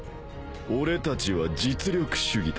俺たちは実力主義だ。